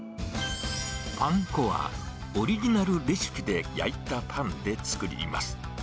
パン粉は、オリジナルレシピで焼いたパンで作ります。